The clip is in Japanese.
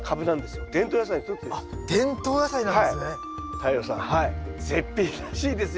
太陽さん絶品らしいですよ